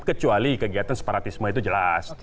kecuali kegiatan separatisme itu jelas